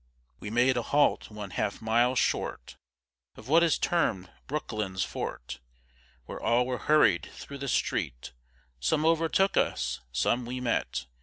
We made a halt one half mile short Of what is term'd Brucklyn's fort; Where all were hurried through the street: Some overtook us, some we met.